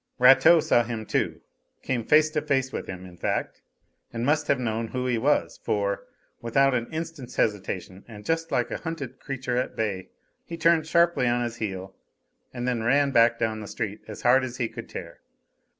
Rateau saw him too came face to face with him, in fact, and must have known who he was for, without an instant's hesitation and just like a hunted creature at bay, he turned sharply on his heel and then ran back down the street as hard as he could tear.